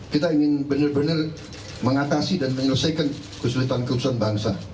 kita ingin benar benar mengatasi dan menyelesaikan kesulitan kesulitan bangsa